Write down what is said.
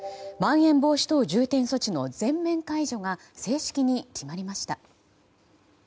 まん延防止等重点措置の全面解除が正式に決まりました。